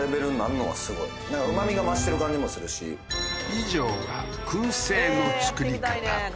以上が燻製の作り方